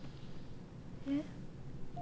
えっ？